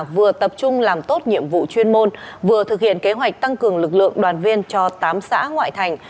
vừa tập trung làm tốt nhiệm vụ chuyên môn vừa thực hiện kế hoạch tăng cường lực lượng đoàn viên cho tám xã ngoại thành